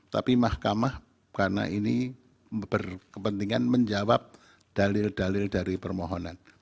tapi mahkamah karena ini berkepentingan menjawab dalil dalil dari permohonan